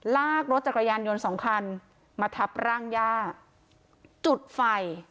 ลากรถจักรยานยนต์สองคันมาทับร่างย่าจุดไฟ